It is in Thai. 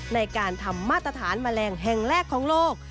ในการทำมาตรฐานแมลงแห่งแรกของโลก